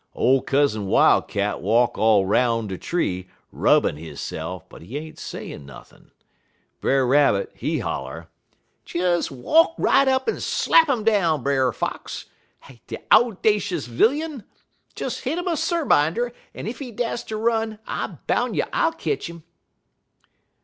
Ole Cousin Wildcat walk all 'roun' de tree, rubbin' hisse'f, but he ain't sayin' nothin'. Brer Rabbit, he holler: "'Des walk right up en slap 'im down, Brer Fox de owdashus vilyun! Des hit 'im a surbinder, en ef he dast ter run, I boun' you I'll ketch 'im.'